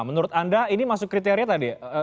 menurut anda ini masuk kriteria tadi